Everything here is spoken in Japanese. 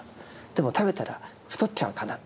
「でも食べたら太っちゃうかな」。